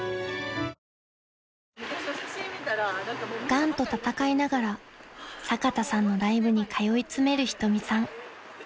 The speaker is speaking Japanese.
［がんと闘いながら坂田さんのライブに通い詰める仁美さん］